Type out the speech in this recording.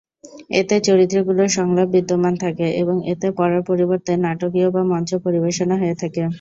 এতে চরিত্রগুলোর সংলাপ বিদ্যমান থাকে এবং এতে পড়ার পরিবর্তে নাটকীয় বা মঞ্চ পরিবেশনা হয়ে থাকে।